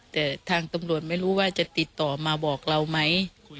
แต่ทางตำรวจไม่รู้ว่าจะติดต่อมาบอกเราไหม